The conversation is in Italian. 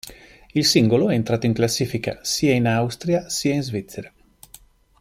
Il singolo è entrato in classifica sia in Austria sia in Svizzera.